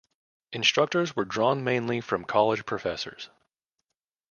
Instructors were drawn mainly from college professors.